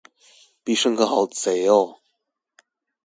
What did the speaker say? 必勝客好賊喔